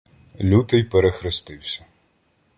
Лютий перехрестився: